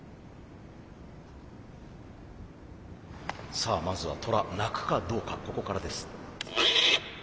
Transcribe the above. さあまずはトラ鳴くかどうかここからです。